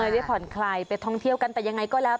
ได้ผ่อนคลายไปท่องเที่ยวกันแต่ยังไงก็แล้ว